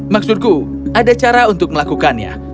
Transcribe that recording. maksudku ada cara untuk melakukannya